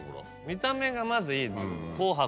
見た目がまずいい紅白。